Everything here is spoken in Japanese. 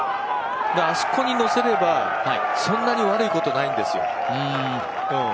あそこに乗せれば、そんなに悪いことないんですよ。